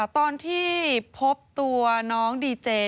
ตอนที่พบตัวน้องดีเจ